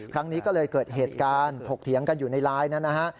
ครั้งนี้ก็เลยเกิดเหตุการณ์ถกเถียงกันอยู่ในไลน์นั้นนะฮะ